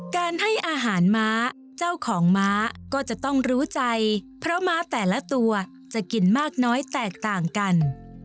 การให้อาหารม้าเจ้าของม้าก็จะต้องรู้ใจเพราะม้าแต่ละตัวจะกินมากน้อยแตกต่างกัน